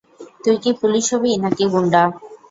তুই কি পুলিশ হবি না-কি গুন্ডা?